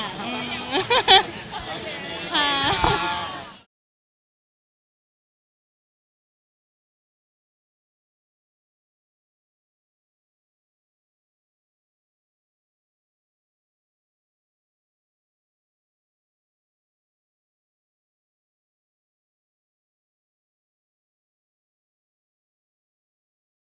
ขอบคุณค่ะ